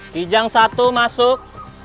kijang satu masuk